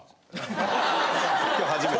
今日初めて。